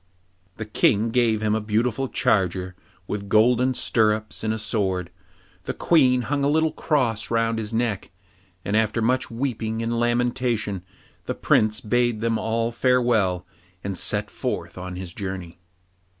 The King gave him a beautiful charger, with golden stirrups, and a sword. The Queen hung a little cross round his neck, and after much weeping and lamentation the Prince bade them all farewell and set forth on his journey.